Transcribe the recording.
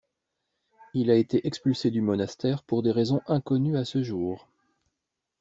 Il a été expulsé du monastère pour des raisons inconnues à ce jour.